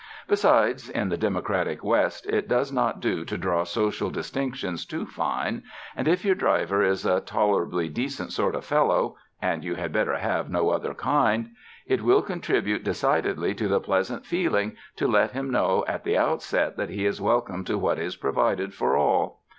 Besides, in the democratic West it does not do to draw social distinctions too fine, and if your driver is a tolerably decent sort of fellow — and you had better have no other kind— it will contribute de cidedly to the pleasant feeling to let him know at the outset that he is welcome to what is provided for all.